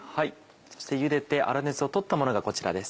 そしてゆでて粗熱を取ったものがこちらです。